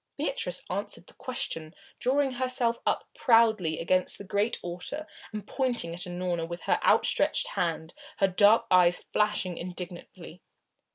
Beatrice answered the question, drawing herself up proudly against the great altar and pointing at Unorna with her outstretched hand, her dark eyes flashing indignantly.